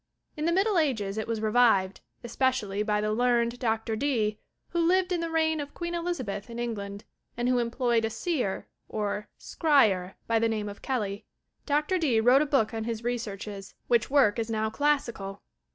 In the middle ages it was revived, especially by the learned Dr. Dee, who lived in the reign of Queen Elizabeth in England, and who employed a seer or "scryer" by the name of Kelly. Dr. Dee wrote a book on his researches, which work is now classical.